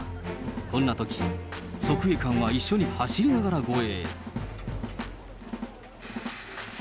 こんなとき、側衛官は一緒に走りながら護衛。